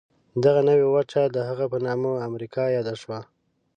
دغه نوې وچه د هغه په نامه امریکا یاده شوه.